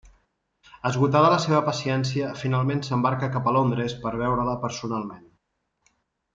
Esgotada la seva paciència, finalment s'embarca cap a Londres per veure-la personalment.